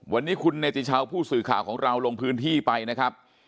วันนี้คุณเนติชาวผู้สื่อข่าวของเราลงพื้นที่ไปนะครับ